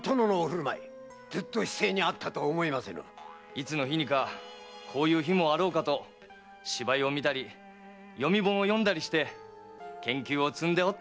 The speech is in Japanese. いつの日にかこういう日もあろうかと芝居を見たり読本を読んだりして研究を積んでおったのじゃ。